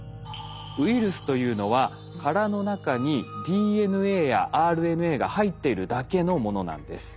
ウイルスというのは殻の中にＤＮＡやＲＮＡが入っているだけのものなんです。